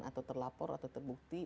atau terlapor atau terbukti